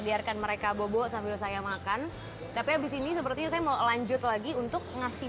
biarkan mereka bobo sambil saya makan tapi habis ini sepertinya saya mau lanjut lagi untuk ngasih